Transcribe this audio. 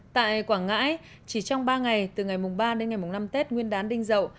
tại quảng ngãi chỉ trong ba ngày từ ngày mùng ba đến ngày năm tết nguyên đán đinh rậu